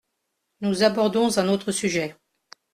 Nous abordons un autre sujet.